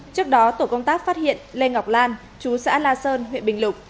trước đó tổ công tác phát hiện lê ngọc lan chú xã la sơn huyện bình lục